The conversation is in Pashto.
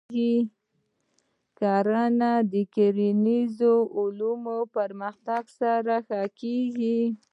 کرنه د کرنیزو علومو د پرمختګ سره ښه کېږي.